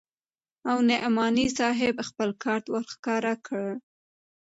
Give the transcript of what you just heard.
او نعماني صاحب خپل کارت ورښکاره کړ.